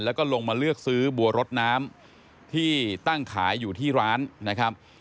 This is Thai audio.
แล้วก็ลงมาเลือกซื้อบัวรถน้ำที่ตั้งขายอยู่ที่ร้านนะครับ